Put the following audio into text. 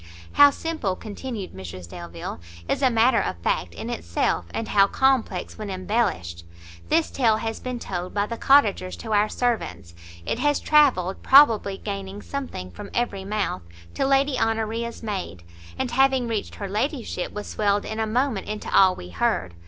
"How simple," continued Mrs Delvile, "is a matter of fact in itself, and how complex when embellished! This tale has been told by the cottagers to our servants; it has travelled, probably gaining something from every mouth, to Lady Honoria's maid, and, having reached her ladyship, was swelled in a moment into all we heard!